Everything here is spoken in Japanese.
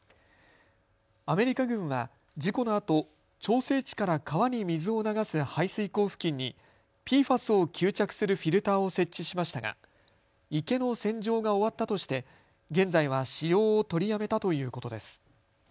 アメリカ軍は事故のあと調整池から川に水を流す排水口付近にＰＦＡＳを吸着するフィルターを設置しましたが池の洗浄が終わったとして現在は使用を取りやめたということです。